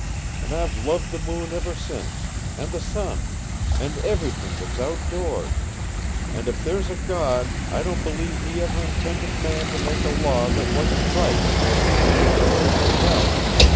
And I've loved the moon ever since, and the sun, and everything that's outdoors and if there's a God I don't believe He ever intended man to make a law that wasn't right according to the plans He laid out.